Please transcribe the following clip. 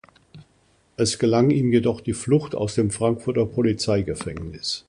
Es gelang ihm jedoch die Flucht aus dem Frankfurter Polizeigefängnis.